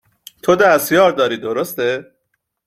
تو دستیار داری درسته ؟